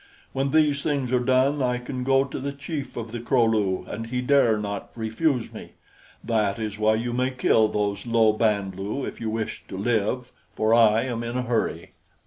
When these things are done, I can go to the chief of the Kro lu, and he dare not refuse me. That is why you may kill those low Band lu if you wish to live, for I am in a hurry.